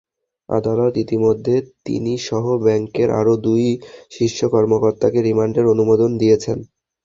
আদালত ইতিমধ্যে তিনিসহ ব্যাংকের আরও দুই শীর্ষ কর্মকর্তাকে রিমান্ডের অনুমোদন দিয়েছেন।